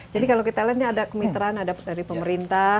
jadi kalau kita lihat ini ada kemitraan dari pemerintah